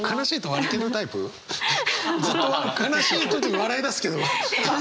ずっと悲しい時に笑いだすけど。